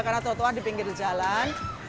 karena trotoar di pinggir jalan